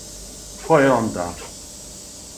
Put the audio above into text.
Ко је онда?